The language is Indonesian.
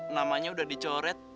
namanya udah dicoret